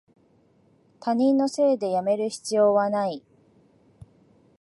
他人のせいでやめる必要はない